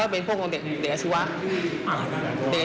ก็เป็นเรื่องของลุ่มเก่าใช่มั้ย